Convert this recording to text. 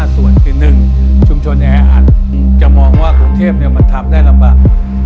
ส่วนคือ๑ชุมชนแออัดจะมองว่ากรุงเทพมันทำได้ลำบาก